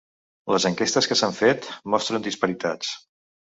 Les enquestes que s’han fet mostren disparitats.